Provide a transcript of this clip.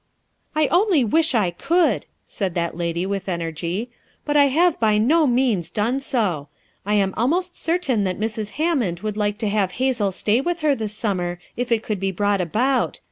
"I only wish I could!" said that lady with energy, "but I have by no means done so. I am almost certain that Mrs. Hammond would like to have Hazel stay with her this summer if it could be brought about.